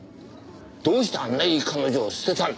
どうしてあんないい彼女を捨てたんだ。